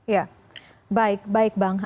ya baik baik bang